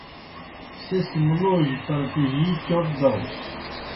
سہ سیْ مُلوجیْ پرٹِجِی چوْٹ داؤس۔